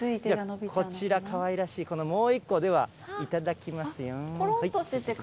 こちら、かわいらしいこのもういっこ、では、頂きますよ。